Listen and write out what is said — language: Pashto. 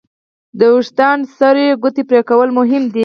د وېښتیانو سرې ګوتې پرېکول مهم دي.